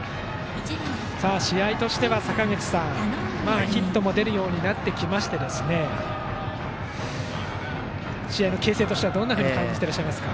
試合としては、坂口さんヒットも出るようになってきまして試合の形勢としてはどう感じていらっしゃいますか。